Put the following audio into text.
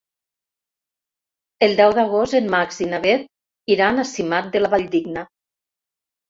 El deu d'agost en Max i na Bet iran a Simat de la Valldigna.